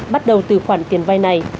bắt đầu từ khoản tiền vay này